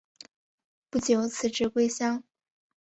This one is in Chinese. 不久辞职归乡。